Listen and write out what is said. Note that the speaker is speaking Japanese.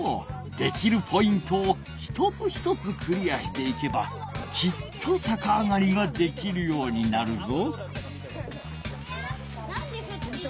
できるポイントを一つ一つクリアしていけばきっとさかあがりができるようになるぞ。